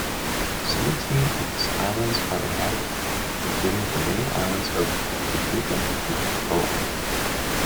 Seventeen of the islands are inhabited, including the main islands of Lifuka and Foa.